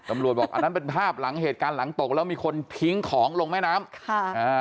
บอกอันนั้นเป็นภาพหลังเหตุการณ์หลังตกแล้วมีคนทิ้งของลงแม่น้ำค่ะอ่า